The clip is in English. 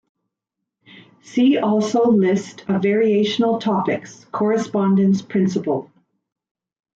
See also list of variational topics, correspondence principle.